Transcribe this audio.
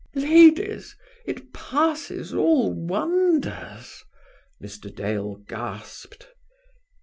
"Ladies! it passes all wonders," Mr. Dale gasped.